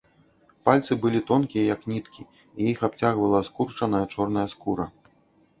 Пальцы былі тонкія, як ніткі, і іх абцягвала скурчаная чорная скура.